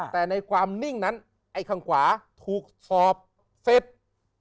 แต่ในความนิ่งนั้นไอ้ข้างขวาถูกสอบเสร็จ